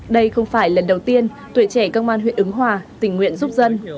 đây không phải lần đầu tiên tuổi trẻ công an huyện ứng hòa tình nguyện giúp dân